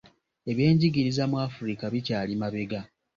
Ebyenjigiriza mu Afrika bikyali mabega.